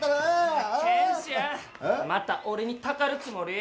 また俺にたかるつもり？